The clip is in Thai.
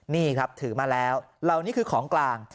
นี่ครับถือมาแล้วเหล่านี้คือของกลาง